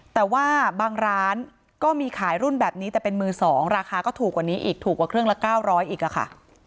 แต่ว่าบางร้านก็มีขายรุ่นแบบนี้แต่เป็นมือ๒ราคาก็ถูกกว่านี้อีกถูกกว่าเครื่องละ๙๐๐อีกค่ะ